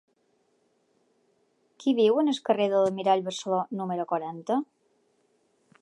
Qui viu al carrer de l'Almirall Barceló número quaranta?